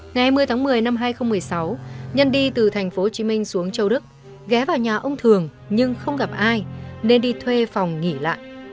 ngày hai mươi tháng một mươi năm hai nghìn một mươi sáu nhân đi từ thành phố chí minh xuống châu đức ghé vào nhà ông thường nhưng không gặp ai nên đi thuê phòng nghỉ lại